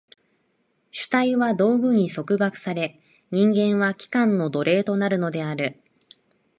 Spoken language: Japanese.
主体は道具に束縛され、人間は器官の奴隷となるのである。